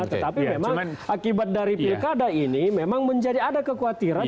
tetapi memang akibat dari pilkada ini memang menjadi ada kekhawatiran